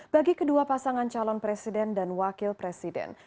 bagi kedua pasangan calon presiden dan wakil presiden